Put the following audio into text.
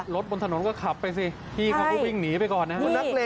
บนถนนก็ขับไปสิพี่เขาก็วิ่งหนีไปก่อนนะครับ